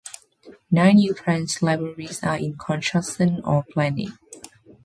Nine new branch libraries are in construction or planning.